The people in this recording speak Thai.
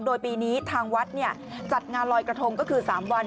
โดยปีนี้ทางวัดจัดงานลอยกระทงก็คือ๓วัน